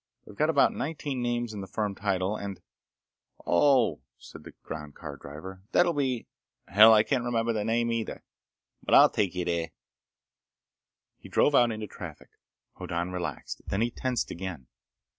They've got about nineteen names in the firm title and—" "Oh!" said the ground car driver. "That'll be— Hell! I can't remember the name either. But I'll take you there." He drove out into traffic. Hoddan relaxed. Then he tensed again.